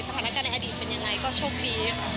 สถานการณ์ในอดีตเป็นยังไงก็ช่วงดีค่ะ